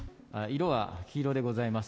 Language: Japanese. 色は黄色でございます。